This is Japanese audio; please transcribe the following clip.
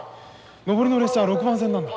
上りの列車は６番線なんだ。